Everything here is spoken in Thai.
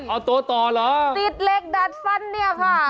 เอาตัวต่อเหรอติดเหล็กดัดฟันเนี่ยค่ะ